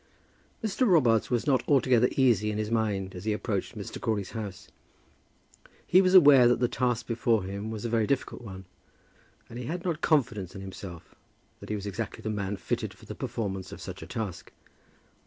Mr. Robarts was not altogether easy in his mind as he approached Mr. Crawley's house. He was aware that the task before him was a very difficult one, and he had not confidence in himself, that he was exactly the man fitted for the performance of such a task.